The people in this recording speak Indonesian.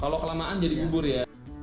kalau kelamaan jadi gubur ya